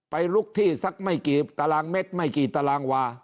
ลุกที่สักไม่กี่ตารางเม็ดไม่กี่ตารางวา